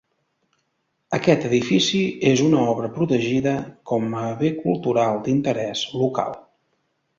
Aquest edifici és una obra protegida com a Bé Cultural d'Interès Local.